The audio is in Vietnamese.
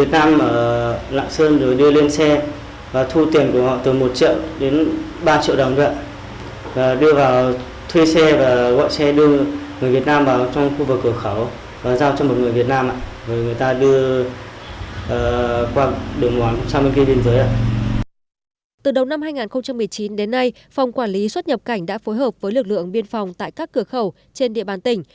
từ đầu năm hai nghìn một mươi chín đến nay phòng quản lý xuất nhập cảnh đã phối hợp với lực lượng biên phòng tại các cửa khẩu trên địa bàn tỉnh